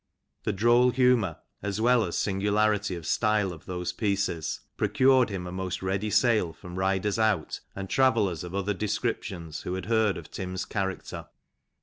The droll humour, as well as singularity of style of those pieces, procured him a most ready sale, from riders out, and travellers of other descriptions, who had heard of Tim's character.